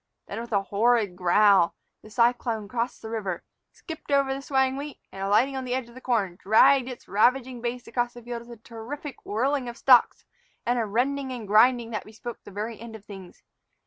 Then, with a horrid growl, the cyclone crossed the river, skipped over the swaying wheat, and, alighting on the edge of the corn, dragged its ravaging base across the field with a terrific whirling of stalks and a rending and grinding that bespoke the very end of things.